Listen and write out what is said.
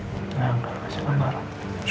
enggak gak kasih kemarah